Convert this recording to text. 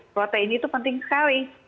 protein itu penting sekali